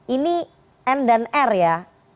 ini n dan r ya